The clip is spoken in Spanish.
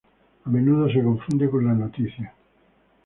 A menudo se confunde con la noticia.